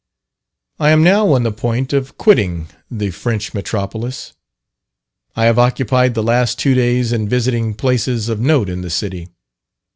I am now on the point of quitting the French Metropolis. I have occupied the last two days in visiting places of note in the city.